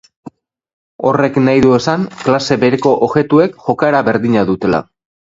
Horrek nahi du esan, klase bereko objektuek jokaera berdina dutela.